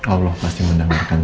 allah pasti mendengarkan